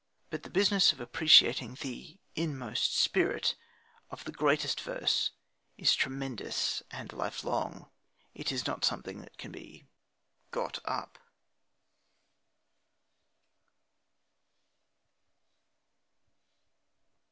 But the business of appreciating the inmost spirit of the greatest verse is tremendous and lifelong. It is not something that can be "got up."